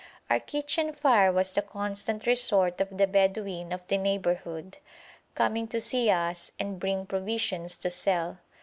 Our kitchen fire was the constant resort of the Bedouin of the neighbourhood, coming to see us and bring provisions to sell.